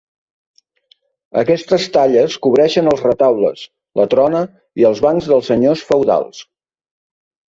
Aquestes talles cobreixen els retaules, la trona i els bancs dels senyors feudals.